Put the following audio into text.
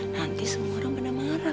nanti semua orang pada marah